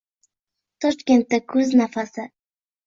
Toshkentda kuz nafasi